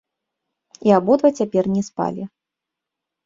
І абодва цяпер не спалі.